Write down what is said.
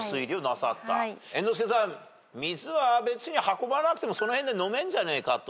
猿之助さん水は別に運ばなくてもその辺で飲めんじゃねえかと。